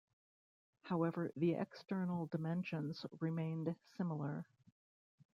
However, the external dimensions remained similar.